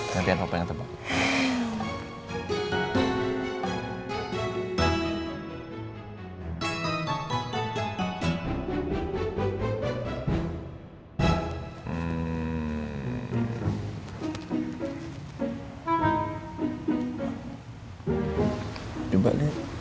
gantian papa yang tebak